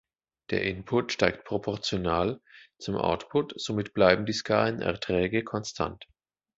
Der Input steigt proportional zum Output, somit bleiben die Skalenerträge konstant.